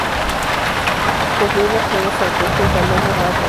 Tras concluir las pruebas, zarpó junto al "Lobo" al Callao.